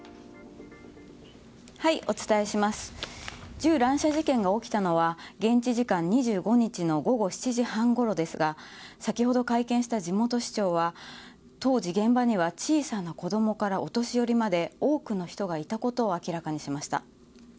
銃乱射事件が起きたのは現地時間２５日の午後７時半ごろですが先ほど会見した地元市長は当時、現場には小さな子供からお年寄りまで多くの人がいたことを明らかにしました。